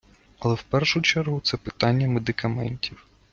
Але в першу чергу це питання медикаментів.